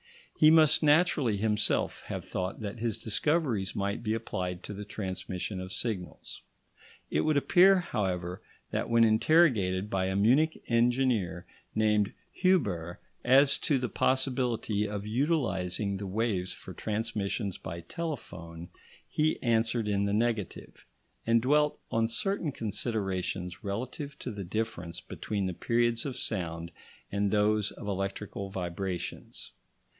He must naturally himself have thought that his discoveries might be applied to the transmission of signals. It would appear, however, that when interrogated by a Munich engineer named Huber as to the possibility of utilising the waves for transmissions by telephone, he answered in the negative, and dwelt on certain considerations relative to the difference between the periods of sounds and those of electrical vibrations.